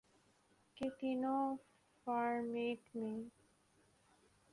کہ تینوں فارمیٹ میں